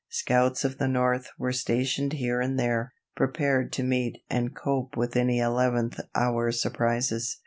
Scouts of the North were stationed here and there, prepared to meet and cope with any eleventh hour surprises.